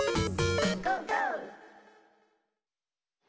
「ゴーゴー！」